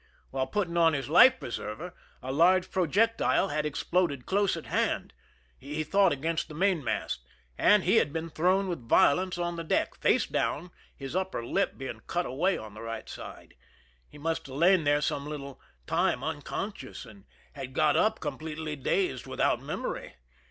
While putting on his life preserver a large projectile had exploded close at hand,— he thought against the mainmast, — and he had been thrown with violence on the deck, face down, his upper lip being cut away on the right side. He must have lain there some little time unconscious, and had got up completely dazed, without memory.